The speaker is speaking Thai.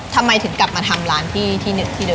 ทำไมถึงกลับมาทำร้านที่๑ที่๑